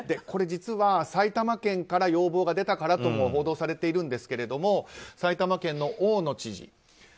これ、実は埼玉県から要望が出たからとも報道されているんですが埼玉県の大野知事。